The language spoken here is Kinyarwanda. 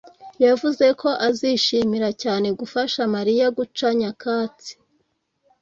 yavuze ko azishimira cyane gufasha Mariya guca nyakatsi.